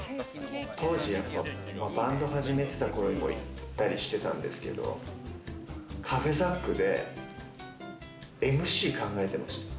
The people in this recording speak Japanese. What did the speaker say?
当時、やっぱバンド始めた頃にも行ったりしてたんですけど、ｃａｆｅＺＡＣでＭＣ考えてました。